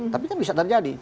tapi kan bisa terjadi